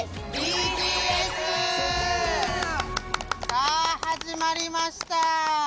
さぁ、始まりました。